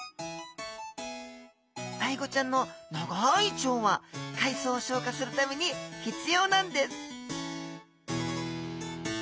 アイゴちゃんの長い腸は海藻を消化するために必要なんです